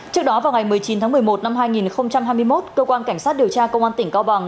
trước đó vào ngày một mươi chín tháng một mươi một năm hai nghìn hai mươi một cơ quan cảnh sát điều tra công an tỉnh cao bằng